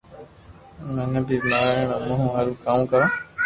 منو بي مارئي امي ھون ڪاوو ڪارو